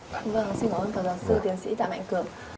vâng xin cảm ơn các giáo sư tiến sĩ tạm ảnh cường